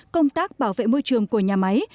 công tác bảo vệ môi trường của nhà máy